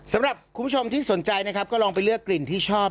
สำหรับคุณผู้ชมที่สนใจนะครับก็ลองไปเลือกกลิ่นที่ชอบ